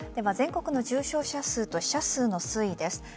全国の重症者数と死者数の推移です。